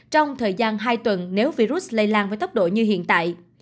trong thời gian hai tuần nếu virus lây lan với tốc độ như hiện tại